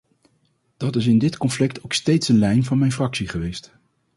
Dat is in dit conflict ook steeds de lijn van mijn fractie geweest.